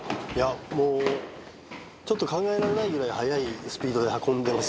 もうちょっと考えられないぐらい速いスピードで運んでますよ。